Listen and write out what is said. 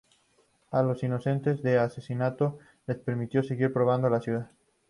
A los inocentes del asesinato les permitió seguir poblando la ciudad.